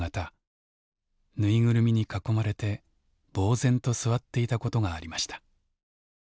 縫いぐるみに囲まれてぼう然と座っていたことがありました。